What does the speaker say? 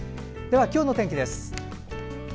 では今日の天気です。